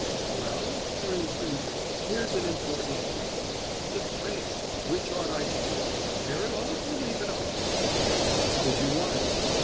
"Well, for instance, here's an important question—the crape. Which ought I to do—tear it off, or leave it on?" "Just as you like."